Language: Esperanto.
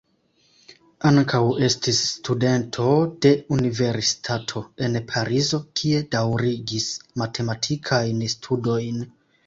Ankaŭ estis studento de Universitato en Parizo, kie daŭrigis matematikajn studojn.